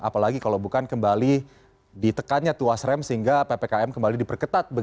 apalagi kalau bukan kembali ditekannya tuas rem sehingga ppkm kembali diperketat